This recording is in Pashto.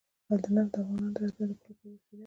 نفت د افغانانو د اړتیاوو د پوره کولو وسیله ده.